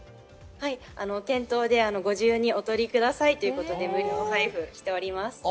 はい、店頭でご自由にお取りくださいということで無料配布しております。